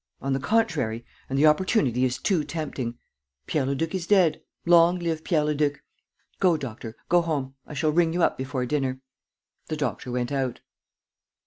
On the contrary! And the opportunity is too tempting! Pierre Leduc is dead! Long live Pierre Leduc! ... Go, Doctor, go home. I shall ring you up before dinner." The doctor went out.